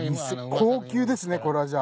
高級ですねこれはじゃあ。